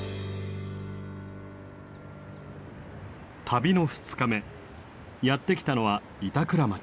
旅の２日目やって来たのは板倉町。